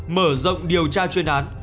mở rộng điều tra chuyên án